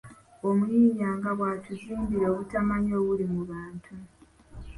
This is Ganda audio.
Omuyiiya nga bw’atuzimbira obutamanya obuli mu bantu.